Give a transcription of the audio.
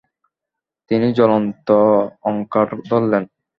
তিনি জ্বলন্ত অঙ্গার ধরলেন।